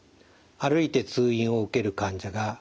歩いて通院を受ける患者が多いです。